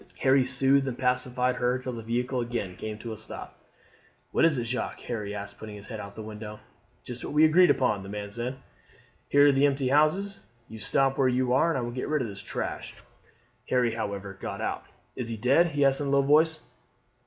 Harry soothed and pacified her till the vehicle again came to a stop. "What is it, Jacques?" Harry asked, putting his head out of the window. "Just what we agreed upon," the man said. "Here are the empty houses. You stop where you are. I will get rid of this trash." Harry, however, got out. "Is he dead?" he asked in a low voice.